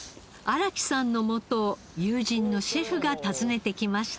荒木さんのもとを友人のシェフが訪ねてきました。